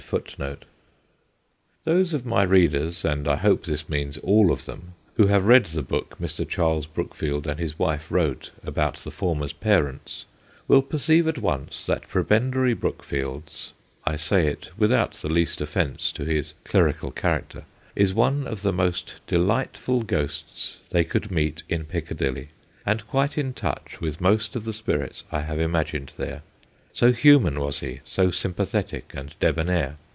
1 Those of my readers and I hope this means all of them who have read the book Mr. Charles Brookfield and his wife wrote about the former's parents, will perceive at once that Prebendary Brookfield's I say it without the least offence to his clerical character is one of the most delightful ghosts they could meet in Piccadilly, and quite in touch with most of the spirits I have imagined there ; so human was he, so sympathetic and debonair.